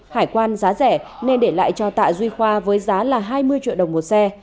hải quan giá rẻ nên để lại cho tạ duy khoa với giá là hai mươi triệu đồng một xe